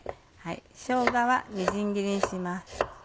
しょうがはみじん切りにします。